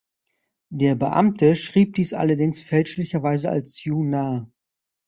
Der Beamte schrieb dies allerdings fälschlicherweise als „Yu-Na“.